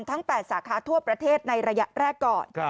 ทั้ง๘สาขาทั่วประเทศในระยะแรกก่อน